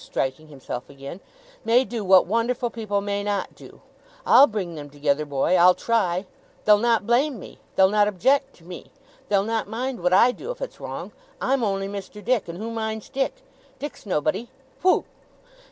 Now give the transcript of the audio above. striking himself again, 'may do what wonderful people may not do. I'll bring them together, boy. I'll try. They'll not blame me. They'll not object to me. They'll not mind what I do, if it's wrong. I'm only Mr. Dick. And who minds Dick? Dick's nobody! Whoo!